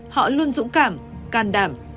họ luôn dũng cảm càn đảm